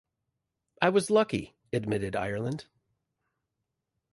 "I was lucky," admitted Ireland.